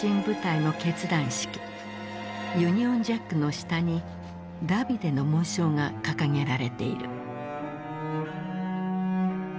ユニオンジャックの下にダビデの紋章が掲げられている。